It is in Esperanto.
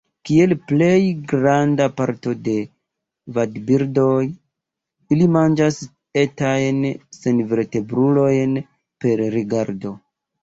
Kiel plej granda parto de vadbirdoj, ili manĝas etajn senvertebrulojn per rigardo.